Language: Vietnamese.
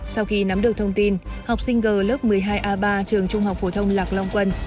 sau khi nắm được thông tin học sinh g lớp một mươi hai a ba trường trung học phổ thông lạc long quân